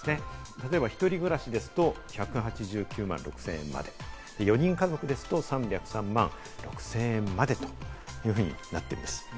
例えば一人暮らしですと１８９万６０００円まで、４人家族ですと、３０３万６０００円までというふうになっています。